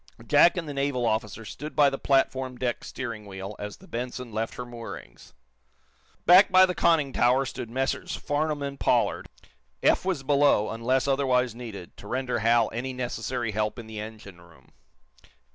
Jack and the naval officer stood by the platform deck steering wheel as the "Benson" left her moorings. Back by the conning tower stood Messrs. Farnum and Pollard. Eph was below, until otherwise needed, to render Hal any necessary help in the engine room.